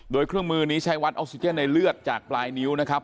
โดยเครื่องมือนี้ใช้วัดออกซิเจนในเลือดจากปลายนิ้วนะครับ